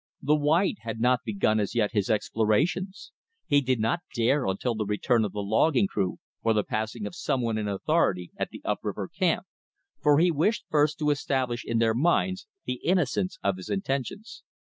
The white had not begun as yet his explorations. He did not dare until the return of the logging crew or the passing of someone in authority at the up river camp, for he wished first to establish in their minds the innocence of his intentions.